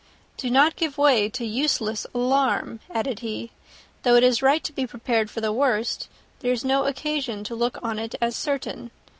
"Do not give way to useless alarm," added he: "though it is right to be prepared for the worst, there is no occasion to look on it as certain.